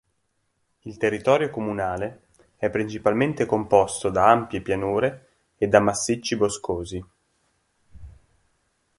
Il territorio comunale è principalmente composto da ampie pianure e da massicci boscosi.